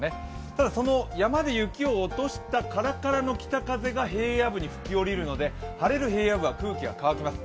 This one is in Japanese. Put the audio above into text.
ただ、矢まで雪を落としたカラカラの風が平野部で吹くので、晴れる平野部は空気が乾きます。